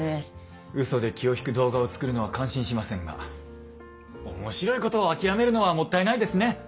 うそで気を引く動画を作るのは感心しませんが面白いことを諦めるのはもったいないですね。